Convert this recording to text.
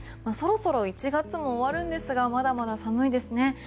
そろそろ１月も終わるんですがまだまだ寒いですね。